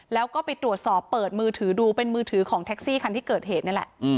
แล้วก็ไปตรวจสอบเปิดมือถือดูเป็นมือถือของแท็กซี่คันที่เกิดเหตุนี่แหละ